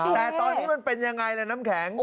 แต่ตอนนี้มันเป็นยังไงล่ะน้ำแข็ง